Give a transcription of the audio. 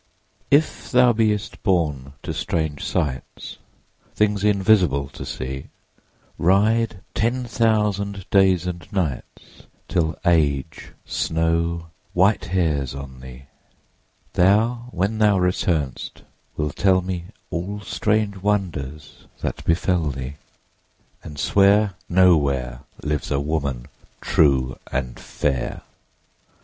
If thou be'st born to strange sights, 10 Things invisible to see, Ride ten thousand days and nights Till Age snow white hairs on thee; Thou, when thou return'st, wilt tell me All strange wonders that befell thee, 15 And swear No where Lives a woman true and fair.